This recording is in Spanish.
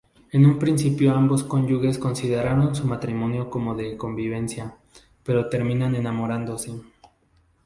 En un principio ambos cónyuges consideraron su matrimonio como de conveniencia, pero terminan enamorándose.